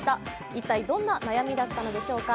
一体、どんな悩みだったのでしょうか。